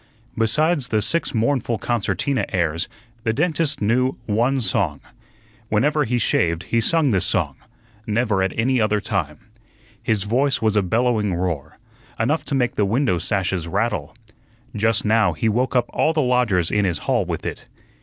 Besides the six mournful concertina airs, the dentist knew one song. Whenever he shaved, he sung this song; never at any other time. His voice was a bellowing roar, enough to make the window sashes rattle. Just now he woke up all the lodgers in his hall with it.